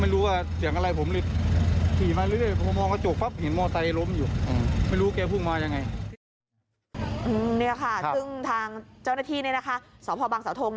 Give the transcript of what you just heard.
ซึ่งทางเจ้าหน้าที่สพ้อบังเสาทง